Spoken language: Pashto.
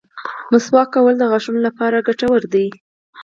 مسواک کول د غاښونو لپاره ګټور دي.